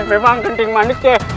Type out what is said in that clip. ya memang kenting manik ya